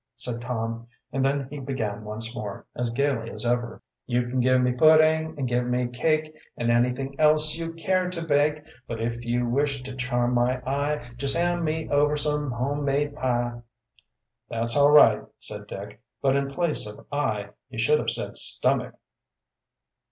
said Tom, and then he began once more, as gayly as ever: "You can give me pudding And give me cake, And anything else You care to bake; But if you wish To charm my eye, Just hand me over Some home made pie!" "That's all right," said Dick. "But in place of eye you should have said stomach."